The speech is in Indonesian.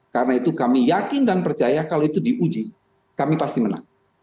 karena itu kami yakin dan percaya kalau itu diuji kami pasti menang